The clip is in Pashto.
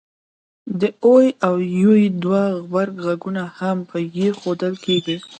د oy او uy دوه غبرګغږونه هم په ی ښوول کېږي